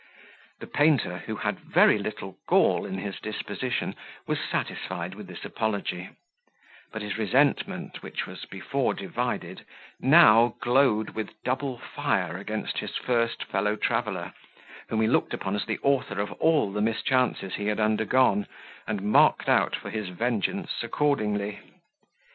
The painter, who had very little gall in his disposition, was satisfied with this apology; but his resentment, which was before divided, now glowed with double fire against his first fellow traveller, whom he looked upon as the author of all the mischances he had undergone, and marked out for his vengeance accordingly.